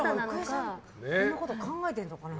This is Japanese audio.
郁恵さんこんなこと考えてるのかな。